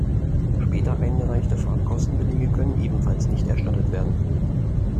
Später eingereichte Fahrkostenbelege können ebenfalls nicht erstattet werden.